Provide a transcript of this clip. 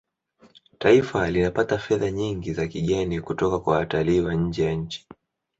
taifa linapata fedha nyingi za kigeni kutoka kwa watalii wa nje ya nchi